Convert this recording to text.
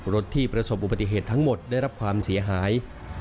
รถที่พระศพอุปถิเผชน์ทั้งหมดได้รับความเสียหาย